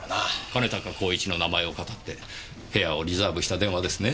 兼高公一の名前を語って部屋をリザーブした電話ですね。